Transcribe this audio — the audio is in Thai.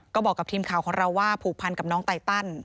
ก็บอกกับทีมข่าวของเราว่าผูกพันกับน้องไตตัน